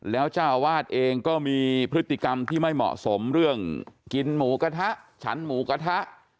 แล้วเจ้าอาวาสเองก็มีพฤติกรรมที่ไม่เหมาะสมเรื่องกินหมูกระทะฉันหมูกระทะ